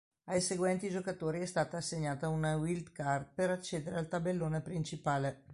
Ai seguenti giocatori è stata assegnata una wildcard per accedere al tabellone principale.